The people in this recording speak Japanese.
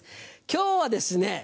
今日はですね